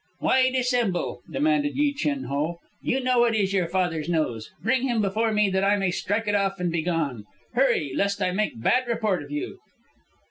"Why dissemble?" demanded Yi Chin Ho. "You know it is your father's nose. Bring him before me that I may strike it off and be gone. Hurry, lest I make bad report of you."